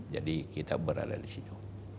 jadi kita berada di situ